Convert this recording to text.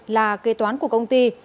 là kê toán của công ty